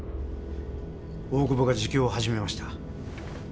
大久保が自供を始めました。